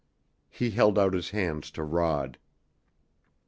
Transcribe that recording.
He held out his hands to Rod.